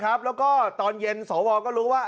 กลับก่อนแต่คนที่ไม่กลับครับ